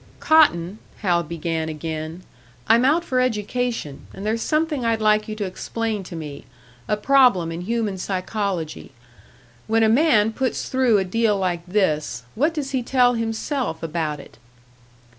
"Cotton," Hal began, again, "I'm out for education, and there's something I'd like you to explain to me a problem in human psychology. When a man puts through a deal like this, what does he tell himself about it?"